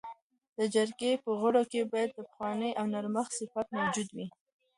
د جرګې په غړو کي باید د بخښنې او نرمښت صفت موجود وي.